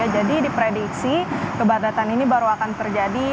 jadi diprediksi kepadatan ini baru akan terjadi